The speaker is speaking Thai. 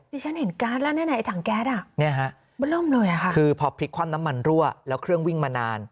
นี่ฉันเห็นกัสแล้วแน่ถังแก๊สอ่ะไม่เริ่มเลยค่ะคือพอพลิกความน้ำมันรั่วแล้วเครื่องวิ่งมานาน